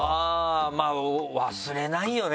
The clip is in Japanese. まぁ忘れないよね